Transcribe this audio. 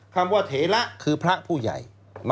คำว่าเถระคือพระผู้ใหญ่